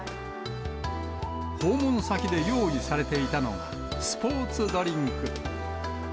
訪問先で用意されていたのはスポーツドリンク。